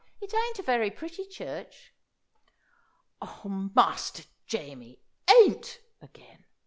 It ain't a very pretty church." "Oh, Master Jamie, 'ain't' again!"